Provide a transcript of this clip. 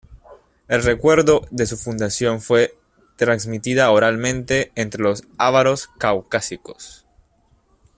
El recuerdo de su fundación fue transmitida oralmente entre los ávaros caucásicos.